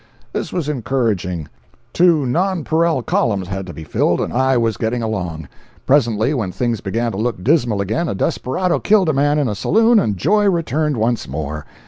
This was encouraging. Two nonpareil columns had to be filled, and I was getting along. Presently, when things began to look dismal again, a desperado killed a man in a saloon and joy returned once more.